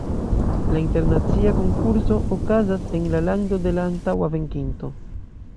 La internacia konkurso okazas en la lando de la antaŭa venkinto.